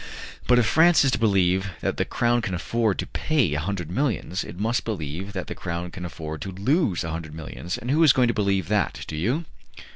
"But if France is to believe that the Crown can afford to pay a hundred millions, it must believe that the Crown can afford to lose a hundred millions, and who is going to believe that? Do you?"